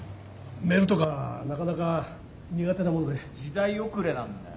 メールとかなかなか苦手なもので。時代遅れなんだよ。